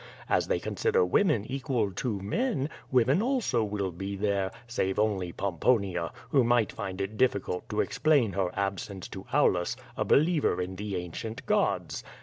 As they consider women equal to men, women also will be there, save only Pomponia, who might find it difficult to explain her absence to Aulus, a believer in the ancient gods.